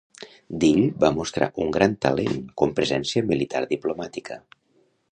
Dill va mostrar un gran talent com presència militar diplomàtica.